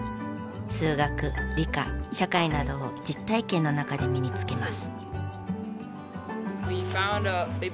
数学理科社会などを実体験の中で身につけます。